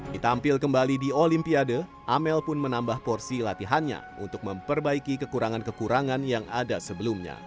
ditampil kembali di olimpiade amel pun menambah porsi latihannya untuk memperbaiki kekurangan kekurangan yang ada sebelumnya